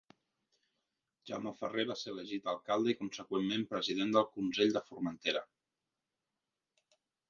Jaume Ferrer va ser elegit alcalde i, conseqüentment, president del Consell de Formentera.